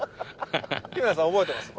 日村さん覚えてます？